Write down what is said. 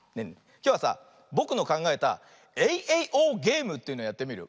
きょうはさぼくのかんがえたエイエイオーゲームというのやってみるよ。